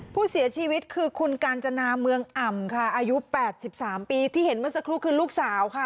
ผู้เสียชีวิตคือคุณกาญจนาเมืองอ่ำค่ะอายุ๘๓ปีที่เห็นเมื่อสักครู่คือลูกสาวค่ะ